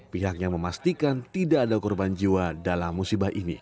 pihaknya memastikan tidak ada korban jiwa dalam musibah ini